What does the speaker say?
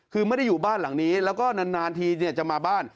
คือไม่ได้อยู่บ้านหลังนี้แล้วก็นานทีจะมาบ้าน